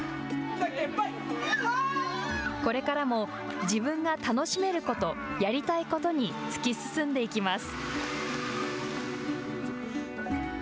これからも自分が楽しめることやりたいことに突き進んでいきます。